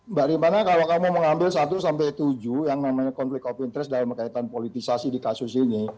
mbak ripana kalau kamu mengambil satu sampai tujuh yang namanya konflik of interest dalam kaitan politisasi di kasus ini